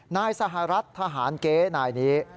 นายสหรัฐทหารเก๊นายนี้